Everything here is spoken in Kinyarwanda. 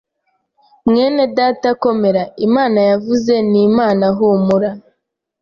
Mwenedata komera, Imana yavuze ni Imana humura